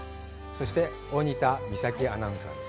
そして大仁田美咲アナウンサーです。